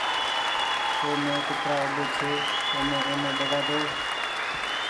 مينٚ ڪترآ اوٻي ڇي اومي ايني ٻگآۮو